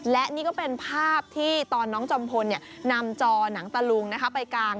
และนี่ก็เป็นภาพที่ตอนน้องจอมพลนำจอหนังตะลุงไปกาง